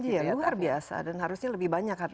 iya luar biasa dan harusnya lebih banyak